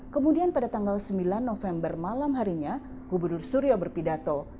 kemudian pada tanggal sembilan november malam harinya gubernur suryo berpidato